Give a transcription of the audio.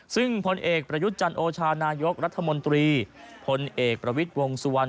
ซึ่งพลเอกประยุทธ์จันโอชานายกรัฐมนตรีพลเอกประวิทย์วงสุวรรณ